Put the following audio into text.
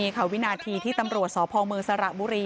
เข้ามาครับ